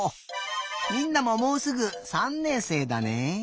みんなももうすぐ３年生だね。